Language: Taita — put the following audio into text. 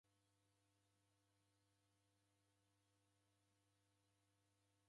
Malagho maw'ishi ghereda monyomonyo.